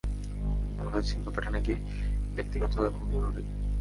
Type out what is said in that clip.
বলেছেন, ব্যাপারটা নাকি ব্যক্তিগত এবং জরুরী।